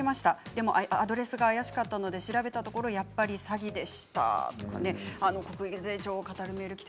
でもアドレスが怪しかったので調べたところやっぱり詐欺でした。